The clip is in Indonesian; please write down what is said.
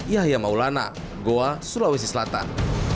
yahya maulana goa sulawesi selatan